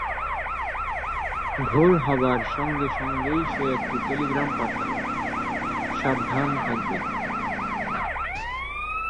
ভোর হবার সঙ্গে-সঙ্গেই সে একটি টেলিগ্রাম পাঠাল, সাবধান থাকবেন!